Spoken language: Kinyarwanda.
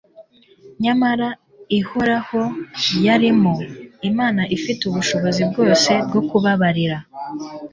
Nyamara Ihoraho yarimo. Imana ifite ubushobozi bwose bwo kubabarira.